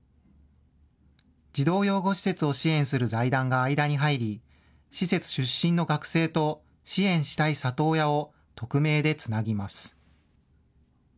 児童養護施設を支援する財団が間に入り、施設出身の学生と支援したい里親を匿名でつなぎます。